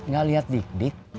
gak liat dik dik